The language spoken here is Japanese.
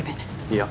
いや。